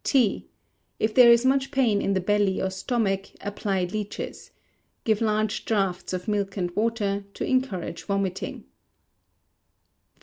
T. If there is much pain in the belly or stomach, apply leeches. Give large draughts of milk and water, to encourage vomiting. 1347.